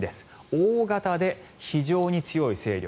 大型で非常に強い勢力。